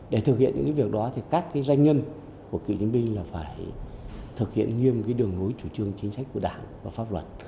để thực hiện những cái việc đó thì các cái doanh nhân của cựu chiến binh là phải thực hiện nghiêm cái đường núi chủ trương chính sách của đảng và pháp luật